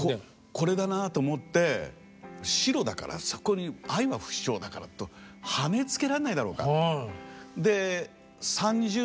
これだなと思って白だからそこに「愛は不死鳥」だから羽付けられないだろうか。